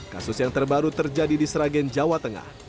kasus yang terbaru terjadi di sragen jawa tengah